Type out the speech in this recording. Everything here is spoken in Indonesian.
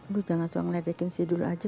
lu jangan soal ngeledekin si dulu aja